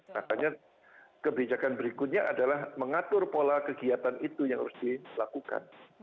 makanya kebijakan berikutnya adalah mengatur pola kegiatan itu yang harus dilakukan